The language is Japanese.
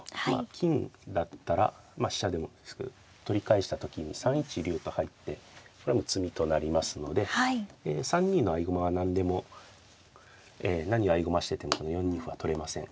金だったら飛車でもいいですけど取り返した時に３一竜と入ってこれはもう詰みとなりますので３二の合駒は何でも何を合駒しててもこの４二歩は取れません。